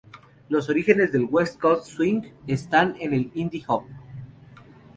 Los orígenes del west coast swing están en el lindy hop.